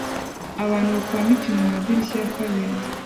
Abantu bakuramo ikintu mumadirishya ya kabiri